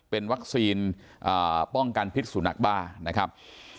เป็นวัคซีนป้องกันพิษสุนักบ้านะครับ